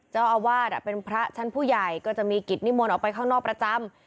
เจ้าอาวาสเป็นพระชั้นผู้ใหญ่ก็จะมีกิจนิมนต์ออกไปข้างนอกประจำ